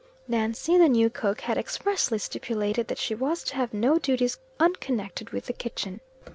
Nancy, the new cook, had expressly stipulated that she was to have no duties unconnected with the kitchen.